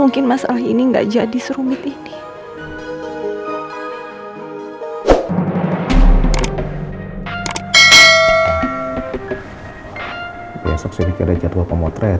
kalau saja dulu aku tidak tutupi kejahatan elsa